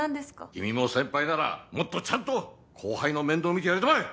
君も先輩ならもっとちゃんと後輩の面倒を見てやりたまえ！